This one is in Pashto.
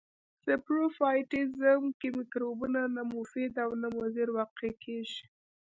ساپروفایټیزم کې مکروبونه نه مفید او نه مضر واقع کیږي.